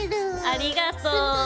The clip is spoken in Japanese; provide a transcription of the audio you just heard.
ありがとう！